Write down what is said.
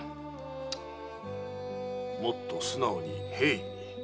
もっと素直に平易に。